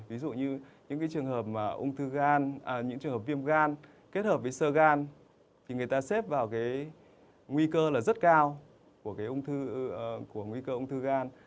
ví dụ như những cái trường hợp viêm gan kết hợp với sơ gan thì người ta xếp vào cái nguy cơ là rất cao của cái ung thư gan